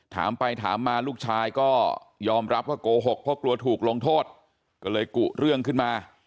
ถามไปถามมาลูกชายก็ยอมรับว่าโกหกเพราะกลัวถูกลงโทษก็เลยกุเรื่องขึ้นมา